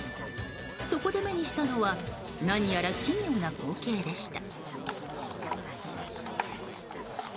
そこで目にしたのは何やら奇妙な光景でした。